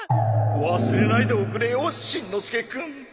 忘れないでおくれよーしんのすけくん！